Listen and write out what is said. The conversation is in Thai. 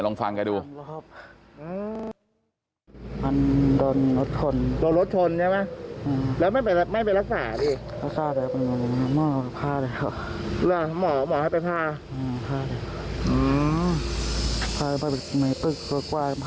เอาลงขยับไม่ได้อะไรอย่างนี้มันติดค้างอยู่แบบนั้น